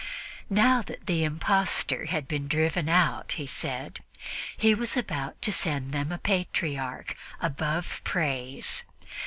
Now that the impostor had been driven out, he said, he was about to send them a Patriarch above praise.